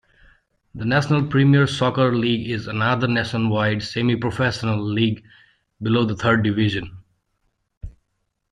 The National Premier Soccer League is another nationwide semi-professional league below the third division.